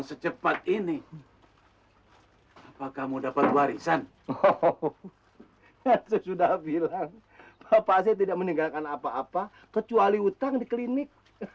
saya tidak akan meninggalkan apa apa kecuali utang di klinik